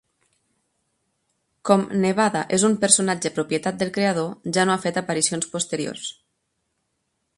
Com Nevada és un personatge propietat del creador, ja no ha fet aparicions posteriors.